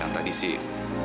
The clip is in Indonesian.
yang tadi sih